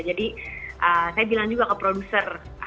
jadi saya bilang juga ke produser